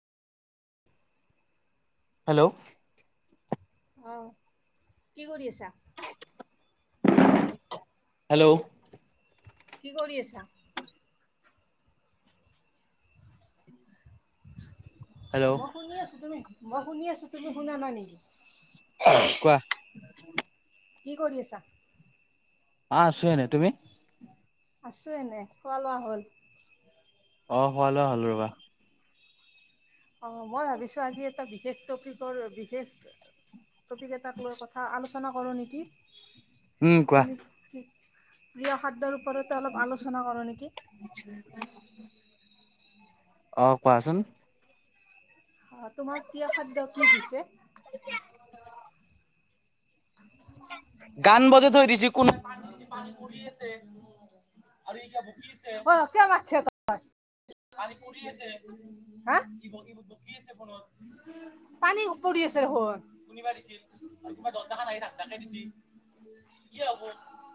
Hello? অ', কি কৰি আছা? হেল্ল'? কি কৰি আছা? হেল্ল'? মই শুনি আছোঁ তুমি মই শুনি আছোঁ তুমি শুনা নাই নেকি? কোৱা? কি কৰি আছা? আছো এনে, তুমি? আছোঁ এনে, খোৱা লোৱা হ'ল? অ', খোৱা-লোৱা হ'ল ৰ'বা। অ', মই ভাবিছো এটা বিশেষ টপিকৰ বিশেষ টপিক এটাক লৈ কথা আলোচনা কৰোঁ নেকি? উম কোৱা তুমি কি প্ৰিয় খাদ্য ওপৰতে অলপ আলোচনা কৰোঁ নেকি? [unintelligible] অ', কোৱা ছোন? অ', তোমাৰ প্ৰিয় খাদ্য কি পিছে? [unintelligible] গান বজাই থৈ দিছি কোনো অ', কিয় মাতছা তই? [unintelligible] পানী পৰি আছে দেখোন। [unintelligible]